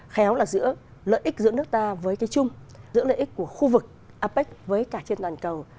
khéo là giữa lợi ích giữa nước ta với cái chung giữa lợi ích của khu vực apec với cả trên toàn cầu